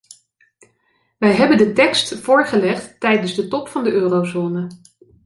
Wij hebben de tekst voorgelegd tijdens de top van de eurozone.